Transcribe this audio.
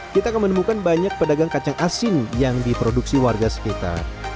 kita akan menemukan banyak pedagang kacang asin yang diproduksi warga sekitar